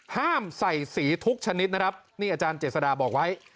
ห้ามใส่สีทุกชนิดนะครับนี่อาจารย์เจษฎาบอกไว้